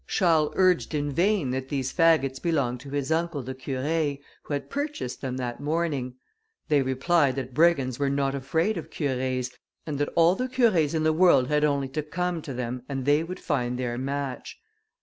Charles urged in vain, that these faggots belonged to his uncle, the Curé, who had purchased them that morning; they replied, that brigands were not afraid of curés, and that all the curés in the world had only to come to them, and they would find their match.